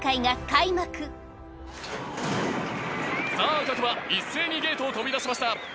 各馬一斉にゲートを飛び出しました。